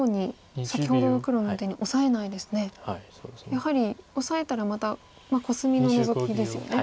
やはりオサえたらまたコスミのノゾキですよね。